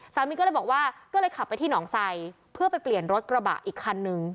สามีก็เลยบอกว่าก็เลยขับไปที่หนองไซเพื่อไปเปลี่ยนรถกระบะอีกคันนึง